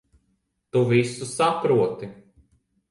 Tu visu saproti.